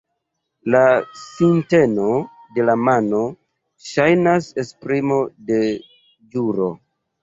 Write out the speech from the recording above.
La sinteno de la mano ŝajnas esprimo de ĵuro.